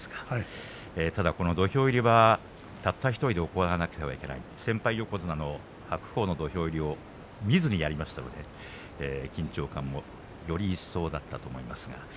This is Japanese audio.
ただ土俵入りはたった１人で行わなければならない先輩横綱の白鵬の土俵入りを見ずにやりましたので緊張感もよりいっそうだったと思います。